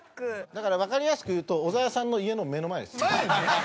だからわかりやすく言うと小沢さんの家の目の前です。